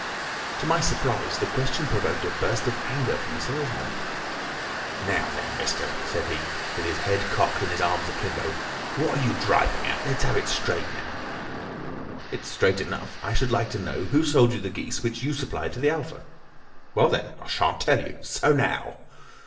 To my surprise the question provoked a burst of anger from the salesman. "Now, then, mister," said he, with his head cocked and his arms akimbo, "what are you driving at? Let's have it straight, now." "It is straight enough. I should like to know who sold you the geese which you supplied to the Alpha." "Well then, I shan't tell you. So now!"